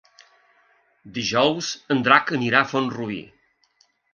Dijous en Drac anirà a Font-rubí.